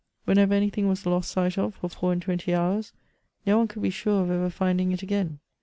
Whenever any thing was lost sight of for four and twenty hours, no one could be sure of ever 6nding it again.